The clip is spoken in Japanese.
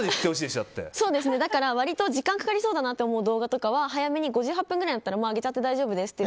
割と時間がかかりそうだなと思う動画は早めに５８分ぐらいになったら上げちゃって大丈夫ですって